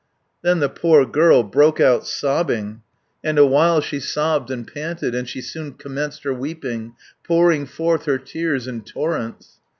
Then the poor girl broke out sobbing, And awhile she sobbed and panted, And she soon commenced her weeping, Pouring forth her tears in torrents.